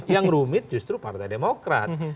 yang rumit justru partai demokrat